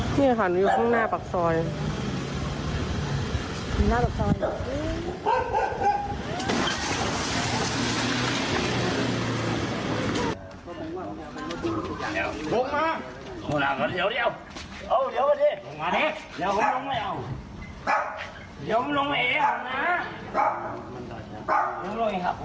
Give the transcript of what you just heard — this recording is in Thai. ชนรถจักรยานยนต์หลังวันแสกนะครับ